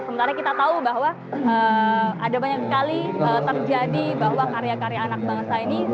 sementara kita tahu bahwa ada banyak sekali terjadi bahwa karya karya anak bangsa ini